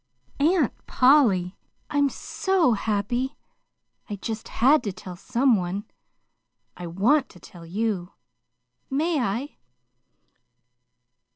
"Aunt Polly, I'm so happy I just had to tell some one. I WANT to tell you. May I?"